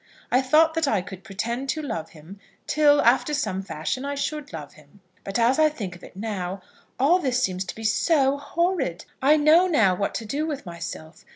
I thought that I could pretend to love him, till, after some fashion, I should love him; but as I think of it now, all this seems to be so horrid! I know now what to do with myself.